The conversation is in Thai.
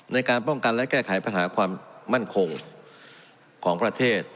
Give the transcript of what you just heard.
ในการป้องกันและแก้ไขปัญหาความมั่นคงของประเทศ